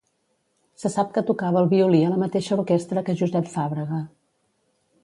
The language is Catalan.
Se sap que tocava el violí a la mateixa orquestra que Josep Fàbrega.